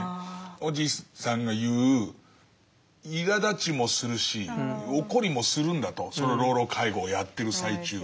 おじいさんが言ういらだちもするし怒りもするんだとその老老介護をやってる最中は。